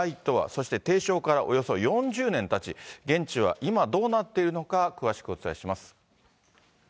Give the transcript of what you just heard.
そして提唱からおよそ４０年たち、現地は今、どうなっているのか、詳しくお伝えします。